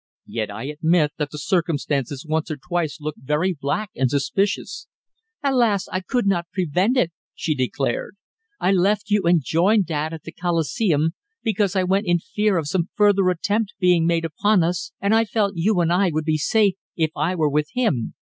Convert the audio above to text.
Yet I admit that the circumstances once or twice looked very black and suspicious." "Alas! I could not prevent it," she declared; "I left you and joined Dad at the Coliseum, because I went in fear of some further attempt being made upon us, and I felt you and I would be safe if I were with him.